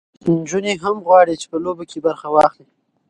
نجونې هم غواړي چې په لوبو کې برخه واخلي.